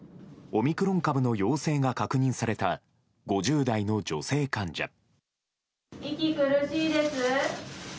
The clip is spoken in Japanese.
オミクロン株の陽性が確認された５０代の女性患者。